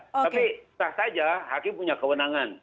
tapi sah saja hakim punya kewenangan